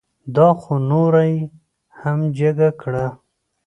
دا خو نوره یې هم جگه کړه.